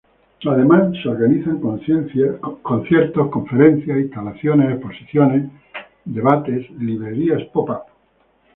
Además, se organizan conciertos, conferencias, instalaciones, exposiciones, debates y librerías pop-up.